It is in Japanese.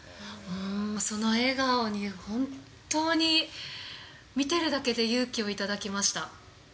その笑顔に本当に見てるだけで勇気をいただきました。